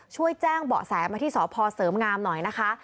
ช่วยแจ้งเบาะแสมาที่สพเสริมงามหน่อยนะคะ